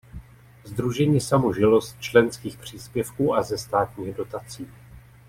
Sdružení samo žilo z členských příspěvků a ze státních dotací.